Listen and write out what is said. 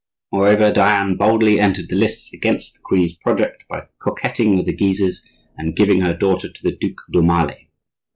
Moreover, Diane boldly entered the lists against the queen's project by coquetting with the Guises and giving her daughter to the Duc d'Aumale.